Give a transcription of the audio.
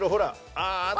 あっ！